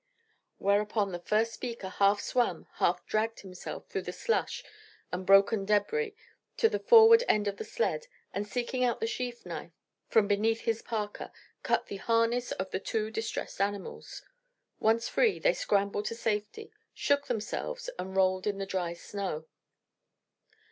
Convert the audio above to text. Whereupon the first speaker half swam half dragged himself through the slush and broken debris to the forward end of the sled, and seeking out the sheath knife from beneath his parka, cut the harness of the two distressed animals. Once free, they scrambled to safety, shook themselves, and rolled in the dry snow.